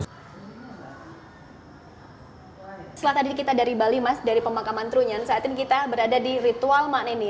setelah tadi kita dari bali mas dari pemakaman trunyan saat ini kita berada di ritual mak neni